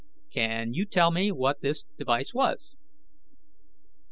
"Can you tell me what this device was?"